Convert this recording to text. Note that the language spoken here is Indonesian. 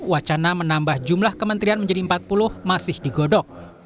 wacana menambah jumlah kementerian menjadi empat puluh masih digodok